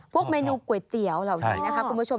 พวกเมนูก๋วยเตี๋ยวเหล่านี้นะคะคุณผู้ชม